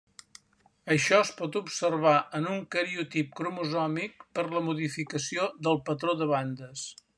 Això es pot observar en un cariotip cromosòmic per la modificació del patró de bandes.